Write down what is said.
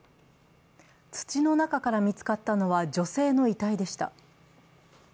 土の中から見つかったのは女性の遺体でした。